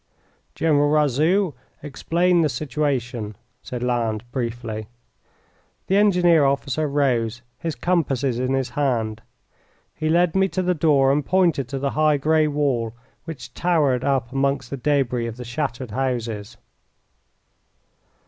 "General Razout, explain the situation!" said Lannes, briefly. The engineer officer rose, his compasses in his hand. He led me to the door and pointed to the high grey wall which towered up amongst the debris of the shattered houses.